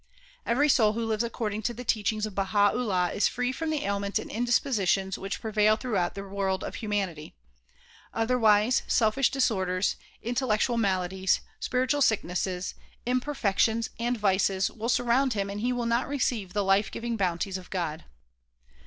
Every soul who lives according to the teachings of Baha 'Ullaii is free from the ailments and indispositions which prevail throughout the world of humanity; 200 THE PROMULGATION OF UNIVERSAL PEACE otherwise selfish disorders, intellectual maladies, spiritual sick nesses, imperfections and vices will surround him and he will not receive the life giving bounties of God.